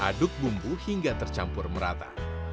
aduk bumbu hingga tercampur merata